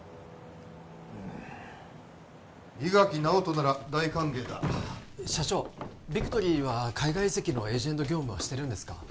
うん伊垣尚人なら大歓迎だ社長ビクトリーは海外移籍のエージェント業務はしてるんですか？